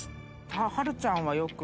「はるちゃんはよく。